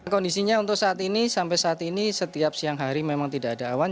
kondisinya untuk saat ini sampai saat ini setiap siang hari memang tidak ada awan